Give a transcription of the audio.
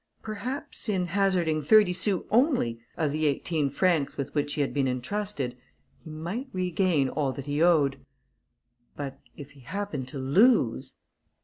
Perhaps in hazarding thirty sous only of the eighteen francs with which he had been intrusted, he might regain all that he owed; but if he happened to lose!